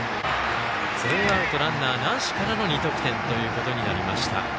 ツーアウトランナーなしからの２得点となりました。